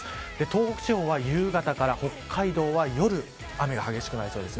東北地方は、夕方から北海道は夜雨が激しくなりそうです。